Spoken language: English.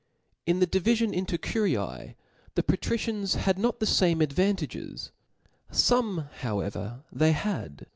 In the divifion into curias (*), the patricians had (•) J^io not the iame advantages; fome hovtrever they had, ^A.